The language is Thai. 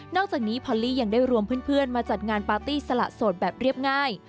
อกจากนี้พอลลี่ยังได้รวมเพื่อนมาจัดงานปาร์ตี้สละโสดแบบเรียบง่าย